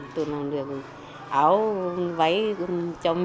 tôi làm được áo vàng